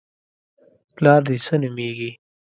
_پلار دې څه نومېږي؟